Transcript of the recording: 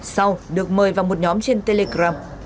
sau được mời vào một nhóm trên telegram